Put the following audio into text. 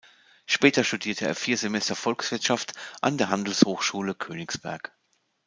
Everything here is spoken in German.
Später studierte er vier Semester Volkswirtschaft an der Handelshochschule Königsberg.